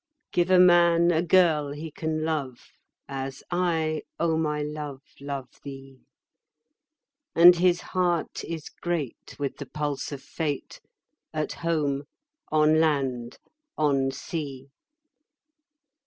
Give a man a girl he can love, As I, O my love, love thee; 10 And his heart is great with the pulse of Fate, At home, on land, on sea.